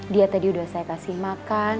dia tadi udah saya kasih makan